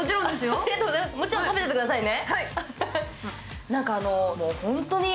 もちろん食べててくださいね。